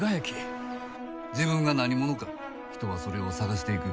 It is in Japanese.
自分が何者か人はそれを探していく。